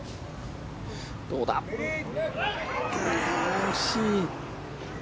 惜しい。